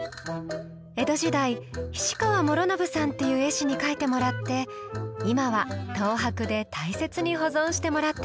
江戸時代菱川師宣さんっていう絵師に描いてもらって今は東博で大切に保存してもらってます。